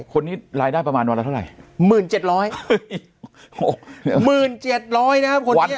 คนนี้รายได้ประมาณวันละเท่าไหร่หมื่นเจ็ดร้อยหมื่นเจ็ดร้อยนะครับ